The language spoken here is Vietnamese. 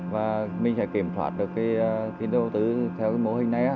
và mình sẽ kiểm soát được tiền đầu tư theo mô hình này